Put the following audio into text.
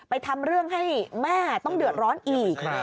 ทำเรื่องให้แม่ต้องเดือดร้อนอีก